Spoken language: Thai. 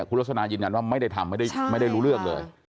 คุณรสนายืนยันว่าไม่ได้ทำไม่ได้รู้เลือกเลย